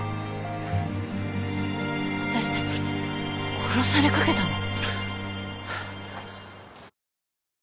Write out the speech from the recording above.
私たち殺されかけたの？